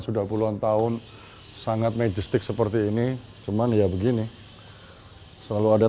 sudah puluhan tahun sangat majestik seperti ini cuman ya begini selalu ada